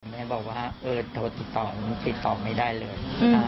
แม่บอกว่าถนกติดต่อไม่ได้เลย